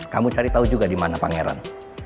kamu cari tau juga dimana pangeran